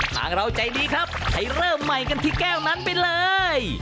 ทางเราใจดีครับให้เริ่มใหม่กันที่แก้วนั้นไปเลย